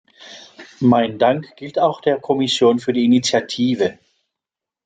Mein Dank gilt auch der Kommission für die Initiative.